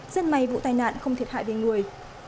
rất may vụ tai nạn không thiệt hại về người